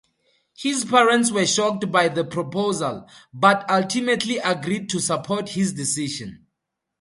His parents were shocked by the proposal, but ultimately agreed to support his decision.